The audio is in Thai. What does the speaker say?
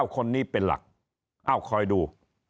คนนี้เป็นหลักเอ้าคอยดู